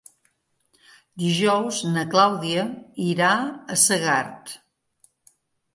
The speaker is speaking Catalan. Dijous na Clàudia irà a Segart.